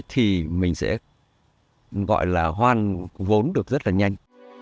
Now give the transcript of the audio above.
thì mình sẽ gọi là hoan vốn được rất là nhanh